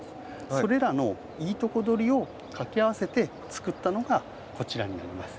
それらのいいとこどりをかけ合わせて作ったのがこちらになります。